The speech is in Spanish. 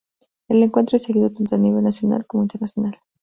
El encuentro es seguido tanto a nivel nacional, como internacional.